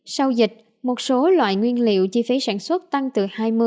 sau dịch một số loại nguyên liệu chi phí sản xuất tăng từ hai mươi ba mươi